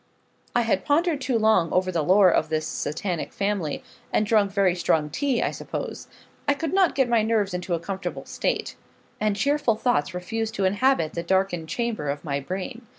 I had pondered too long over the lore of this Satanic family, and drunk very strong tea, I suppose. I could not get my nerves into a comfortable state, and cheerful thoughts refused to inhabit the darkened chamber of my brain.